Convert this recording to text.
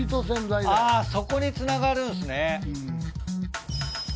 そこにつながるんすね。